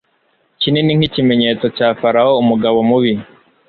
Kinini nkikimenyetso cya Farawo umugabo mubi